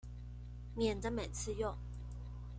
免得每次用